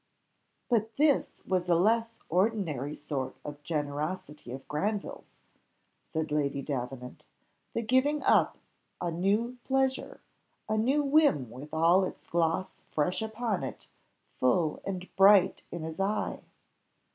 '" "But this was a less ordinary sort of generosity of Granville's," said Lady Davenant, "the giving up a new pleasure, a new whim with all its gloss fresh upon it, full and bright in his eye."